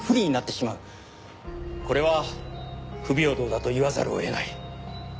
これは不平等だと言わざるを得ない。